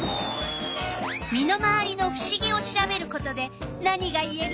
身の回りのふしぎを調べることで何がいえる？